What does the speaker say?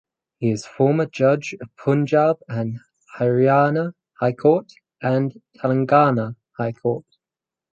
He is former Judge of Punjab and Haryana High Court and Telangana High Court.